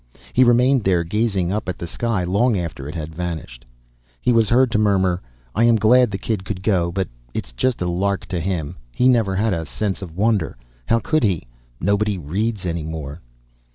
He remained there gazing up at the sky long after it had vanished. He was heard to murmur, "I am glad the kid could go, but it is just a lark to him. He never had a 'sense of wonder.' How could he nobody reads anymore."